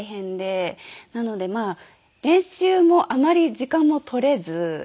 なのでまあ練習もあまり時間も取れず。